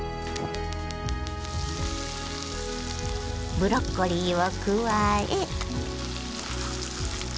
ブロッコリーを加え。